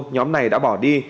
nhóm này đã bỏ đi